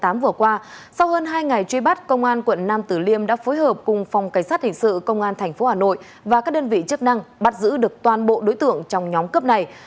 vừa qua sau hơn hai ngày truy bắt công an quận nam tử liêm đã phối hợp cùng phòng cảnh sát hình sự công an tp hà nội và các đơn vị chức năng bắt giữ được toàn bộ đối tượng trong nhóm cướp này